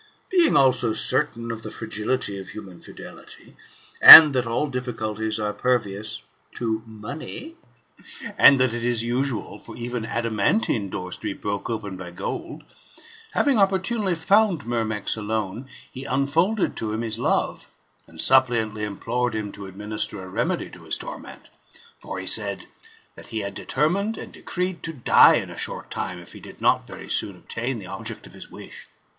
Being also certain of the fragility of human fidelity, and that all difficulties are pervious to money, and that it is usual for even adamantine doors to be broke open by gold ; having opportunely found Myrmex alone,' he unfolded to him his love, and suppliantly implored him to administer a remedy to his torment ; for he said, '^ That he had determined and decreed to die in a short time, if he did not very soon obtain the object of his wish."